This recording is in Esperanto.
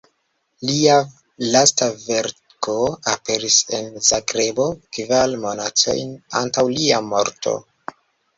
Lia lasta verko aperis en Zagrebo kvar monatojn antaŭ lia morto.